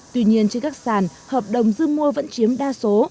tuy nhiên trên các sàn hợp đồng dư mua vẫn chiếm đa số